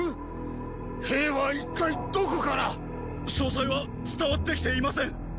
⁉兵は一体どこから⁉詳細は伝わってきていません！